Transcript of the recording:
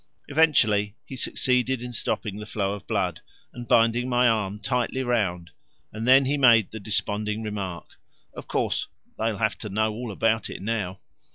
Eventually he succeeded in stopping the flow of blood, and binding my arm tightly round; and then he made the desponding remark, "Of course they will have to know all about it now."